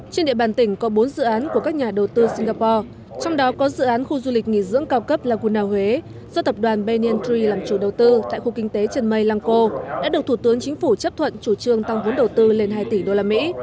trên địa bàn tỉnh có bốn dự án của các nhà đầu tư singapore trong đó có dự án khu du lịch nghỉ dưỡng cao cấp launa huế do tập đoàn bennientry làm chủ đầu tư tại khu kinh tế trần mây lang co đã được thủ tướng chính phủ chấp thuận chủ trương tăng vốn đầu tư lên hai tỷ đô la mỹ